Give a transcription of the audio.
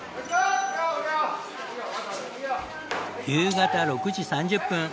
夕方６時３０分